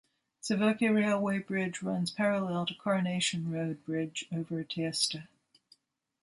Sevoke Railway Bridge runs parallel to Coronation Road Bridge over Teesta.